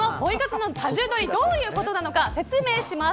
まずは、多重取りがどういうことか説明します。